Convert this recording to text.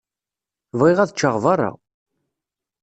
Bɣiɣ ad ččeɣ beṛṛa.